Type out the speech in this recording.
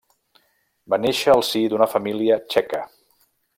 Va néixer al si d'una família txeca.